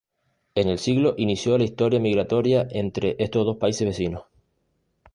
En el siglo inició la historia migratoria entre estos dos países vecinos.